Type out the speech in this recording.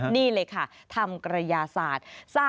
นี่เลยค่ะทำกระยาศาสตร์